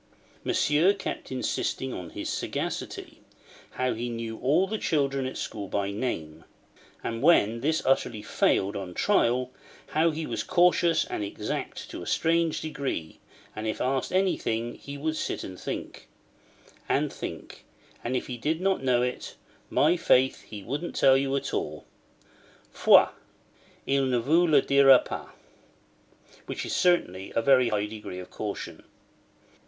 Monsieur kept insisting on his sagacity: how he knew all the children at school by name; and when this utterly failed on trial, how he was cautious and exact to a strange degree, and if asked anything, he would sit and think—and think, and if he did not know it, 'my faith, he wouldn't tell you at all—foi, il ne vous le dira pas': which is certainly a very high degree of caution.